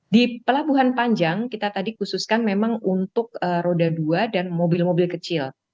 di pelabuhan panjang kita tadi khususkan memang untuk roda dua dan mobil mobil kecil